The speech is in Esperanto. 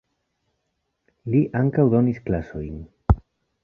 Li ankaŭ donis klasojn.